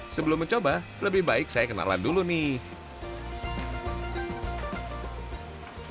sebelum mencoba lebih baik saya kenalan dulu nih